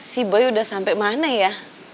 si boy udah sampe mana ya